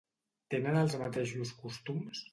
Tenen els mateixos costums?